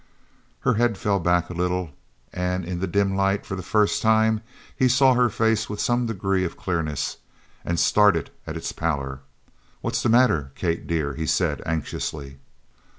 Her head fell back a little and in the dim light, for the first time, he saw her face with some degree of clearness, and started at its pallor. "What's the matter, Kate dear?" he said anxiously.